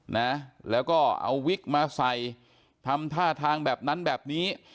นะแล้วก็เอาวิกมาใส่ทำท่าทางแบบนั้นแบบนี้